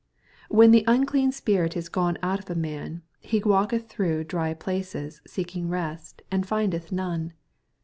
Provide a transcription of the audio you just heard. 48 When the unclean spirit is gone oat of a mim, he walketh throogh dry places, seeking rest, and findeth none.